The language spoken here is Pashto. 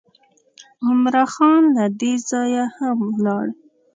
عمرا خان له دې ځایه هم ولاړ.